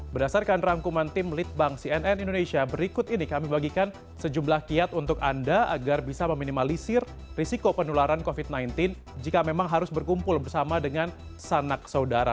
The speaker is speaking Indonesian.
berdasarkan rangkuman tim litbang cnn indonesia berikut ini kami bagikan sejumlah kiat untuk anda agar bisa meminimalisir risiko penularan covid sembilan belas jika memang harus berkumpul bersama dengan sanak saudara